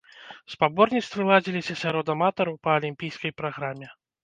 Спаборніцтвы ладзіліся сярод аматараў па алімпійскай праграме.